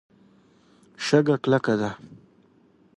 شګه کلکه ده.